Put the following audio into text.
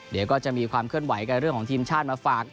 เดี๋ยวก็จะมีความเคลื่อนไหวกันเรื่องของทีมชาติมาฝาก